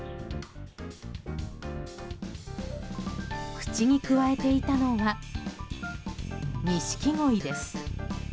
口にくわえていたのはニシキゴイです。